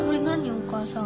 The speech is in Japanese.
お母さん。